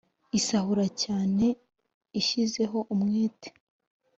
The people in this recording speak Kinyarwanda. isahura cyane ishyizeho umwete